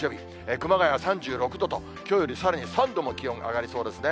熊谷３６度と、きょうよりさらに３度も気温上がりそうですね。